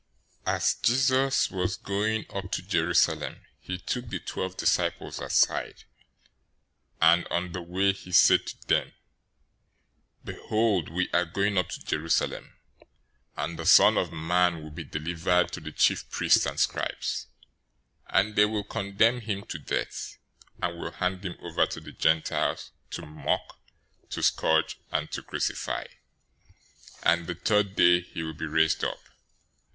020:017 As Jesus was going up to Jerusalem, he took the twelve disciples aside, and on the way he said to them, 020:018 "Behold, we are going up to Jerusalem, and the Son of Man will be delivered to the chief priests and scribes, and they will condemn him to death, 020:019 and will hand him over to the Gentiles to mock, to scourge, and to crucify; and the third day he will be raised up."